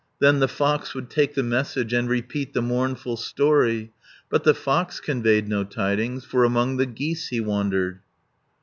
Then the fox would take the message, And repeat the mournful story; But the fox conveyed no tidings, For among the geese he wandered.